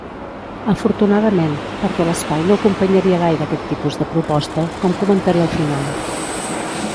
Afortunadament, perquè l'espai no acompanyaria gaire aquest tipus de proposta, com comentaré al final.